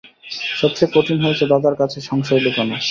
সব চেয়ে কঠিন হয়েছে দাদার কাছে সংশয় লুকোনো।